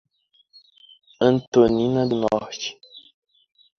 Antonina do Norte